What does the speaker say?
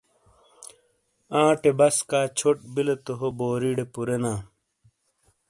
آٹے بسکا چھوٹ بِیلے تو ہو بوری ڑے پُورینا۔